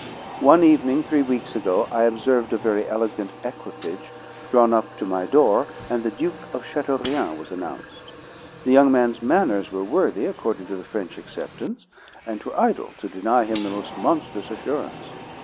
One evening, three weeks gone, I observed a very elegant equipage draw up to my door, and the Duke of Chateaurien was announced. The young man's manners were worthy according to the French acceptance and 'twere idle to deny him the most monstrous assurance.